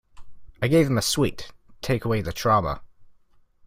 I gave him a sweet, to take away the trauma.